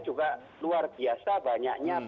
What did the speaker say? juga luar biasa banyaknya